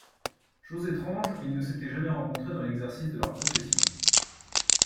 Chose étrange, ils ne s’étaient jamais rencontrés dans l’exercice de leur profession.